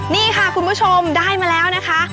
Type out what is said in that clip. นี่ค่ะคุณผู้ชมได้มาแล้วนะคะ